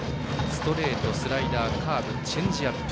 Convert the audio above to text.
ストレート、スライダーカーブ、チェンジアップ。